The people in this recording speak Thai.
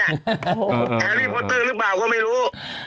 แฮรี่พอตเข้อหรือเปล่าก็ไม่รู้